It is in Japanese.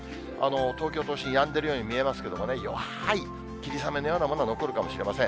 東京都心、やんでるように見えますけどね、弱い霧雨のようなものが残るかもしれません。